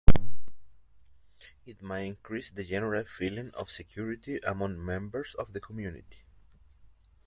It might increase the general feeling of security among members of the community.